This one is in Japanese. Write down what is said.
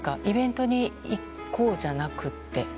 イベントに行こうじゃなくて。